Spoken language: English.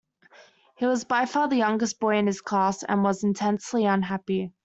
He was by far the youngest boy in his class and was intensely unhappy.